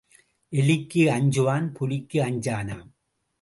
எலிக்கு அஞ்சுவான் புலிக்கு அஞ்சானாம்.